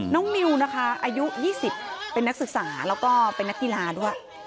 นิวนะคะอายุ๒๐เป็นนักศึกษาแล้วก็เป็นนักกีฬาด้วย